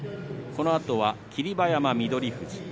このあとは霧馬山、翠富士。